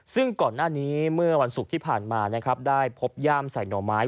ซึ่งก่อนหน้านี้เมื่อวันศุกร์ที่ผ่านมานะครับได้พบย่ามใส่หน่อไม้